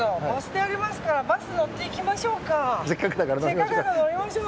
せっかくだから乗りましょう。